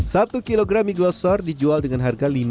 satu kilogram mie glosor dijual dengan harga